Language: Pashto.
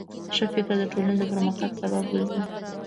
ښه فکر د ټولنې د پرمختګ سبب ګرځي.